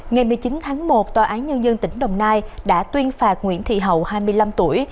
ngày một mươi chín tháng một tòa án nhân dân tỉnh đồng nai đã tuyên phạt nguyễn thị hậu hai mươi năm tuổi